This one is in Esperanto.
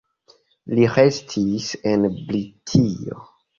Li restis en Britio.